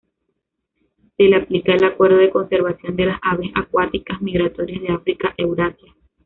Se le aplica el "Acuerdo de Conservación de las Aves Acuáticas Migratorias de África-Eurasia.